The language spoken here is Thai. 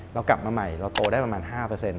เรากลับมาใหม่เราโตได้ประมาณ๕